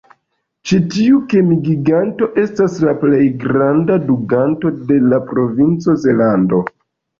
Ĉi tiu kemi-giganto estas la plej granda dunganto de la provinco Zelando.